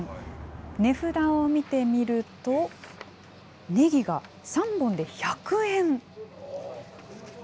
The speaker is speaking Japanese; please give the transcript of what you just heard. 値札を見てみると、ねぎが３本で１００円。